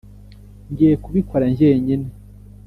ngiye kubikora njyenyine.